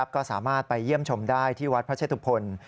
ก็สามารถไปเยี่ยมชมได้ที่วัดพระเชตุพล